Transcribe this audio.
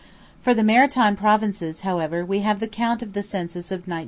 For the Maritime Provinces, however, we have the count of the census of 1911.